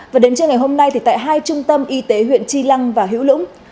và đến trưa ngày hôm nay thì tại hai trung tâm y tế huyện chi lăng và hữu lũng